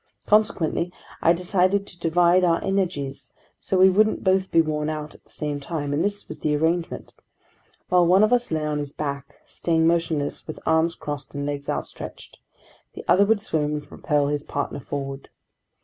Consequently, I decided to divide our energies so we wouldn't both be worn out at the same time, and this was the arrangement: while one of us lay on his back, staying motionless with arms crossed and legs outstretched, the other would swim and propel his partner forward.